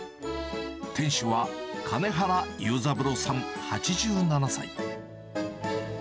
店主は金原勇三郎さん８７歳。